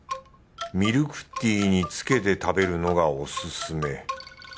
「ミルクティーにつけて食べるのがおすすめ」。